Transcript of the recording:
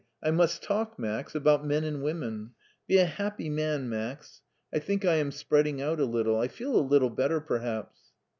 I must talk. Max, about men and women. Be a happy man. Max. I think I am spreading out a little. I feel a littl^ better, perhaps."